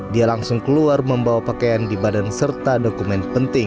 dia langsung keluar membawa pakaian di badan serta dokumen penting